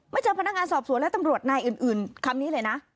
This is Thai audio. เจอพนักงานสอบสวนและตำรวจนายอื่นคำนี้เลยนะ